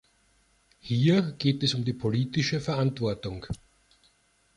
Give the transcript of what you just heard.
Hier geht es um die politische Verantwortung.